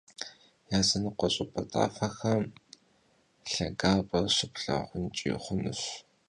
Yazınıkhue ş'ıp'e tafexem lhagap'e şıplhağunç'i xhunuş.